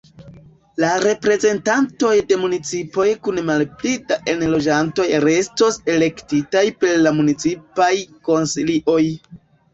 La reprezentantoj de municipoj kun malpli da enloĝantoj restos elektitaj per la municipaj konsilioj.